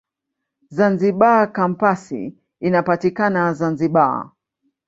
Zanzibar Kampasi inapatikana Zanzibar.